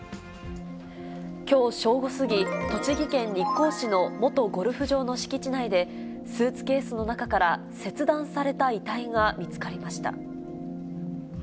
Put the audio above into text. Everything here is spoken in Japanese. きょう正午過ぎ、栃木県日光市の元ゴルフ場の敷地内で、スーツケースの中から切断された遺体が見つかりました。